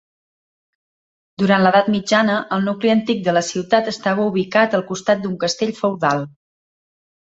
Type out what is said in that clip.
Durant l'edat mitjana, el nucli antic de la ciutat estava ubicat al costat d'un castell feudal.